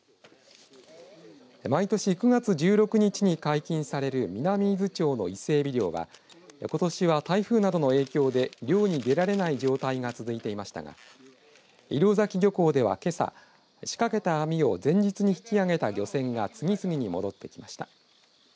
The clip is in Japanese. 毎年９月１６日に解禁される南伊豆町の伊勢エビ漁はことしは台風などの影響で漁に出られない状態が続いていましたが石廊崎漁港では、けさ仕掛けた網を前日に引き上げた漁船が次々に戻ってきました。